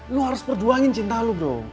lu harus perjuangin cinta lu bro